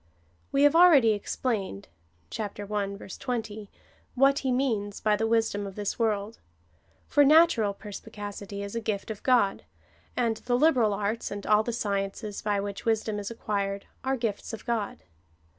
We have already explained (chap. i. 20) what he means by the wisdom of this world; for natural perspi cacity is a gift of God, and the liberal arts, and all the sciences by which wisdom is acquired, are gifts of God.